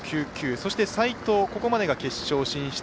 そして、齋藤までが決勝進出。